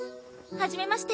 はじめまして。